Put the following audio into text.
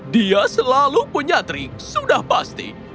dia selalu penyatri sudah pasti